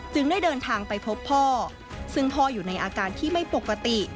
ได้เดินทางไปพบพ่อซึ่งพ่ออยู่ในอาการที่ไม่ปกติ